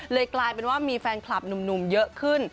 กลายเป็นว่ามีแฟนคลับหนุ่มเยอะขึ้น